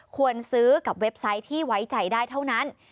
ควรซื้อกับเว็บไซต์ที่ไว้ใจได้เท่านั้น